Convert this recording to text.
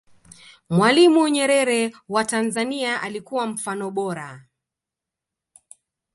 mwalimu nyerere wa tanzania alikuwa mfano bora